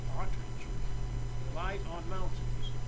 Partridge. Light on moun tains.